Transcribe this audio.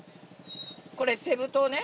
これセブ島ね